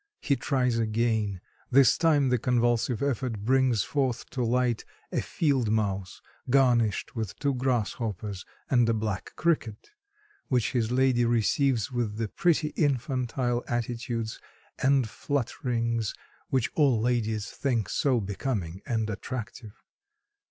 He tries again. This time the convulsive effort brings forth to light a field mouse, garnished with two grasshoppers and a black cricket, which his lady receives with the pretty infantile attitudes and flutterings which all ladies think so becoming and attractive.